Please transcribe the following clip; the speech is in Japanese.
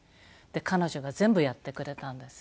彼女が全部やってくれたんです。